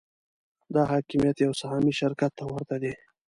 دا حاکمیت یو سهامي شرکت ته ورته دی.